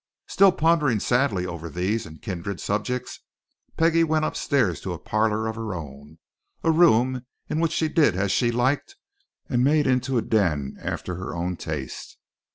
Still pondering sadly over these and kindred subjects Peggie went upstairs to a parlour of her own, a room in which she did as she liked and made into a den after her own taste.